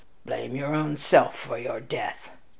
Blame your own self for your death!"